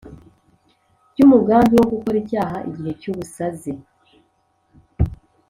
ry umugambi wo gukora icyaha igihe cy ubusaze